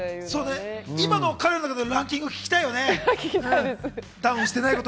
今の彼の中でのランキング、聞きたいね。